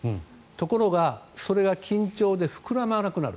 ところがそれが緊張で膨らまなくなる。